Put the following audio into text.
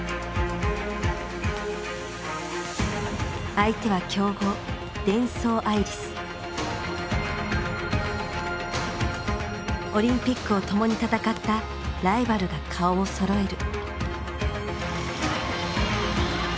相手は強豪オリンピックを共に戦ったライバルが顔をそろえる。